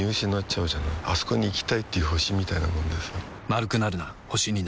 あそこに行きたいっていう星みたいなもんでさ